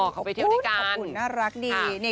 ขอบคุณขอบคุณน่ารักดี